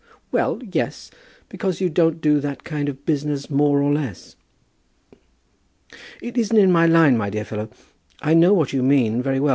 "Well, yes; because you don't do that kind of business, more or less." "It isn't in my line, my dear fellow. I know what you mean, very well.